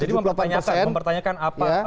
jadi mempertanyakan apa